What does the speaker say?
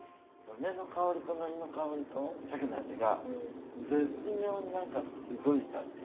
梅の香りとのりの香りとシャケの味が絶妙になんかすごいいい感じ。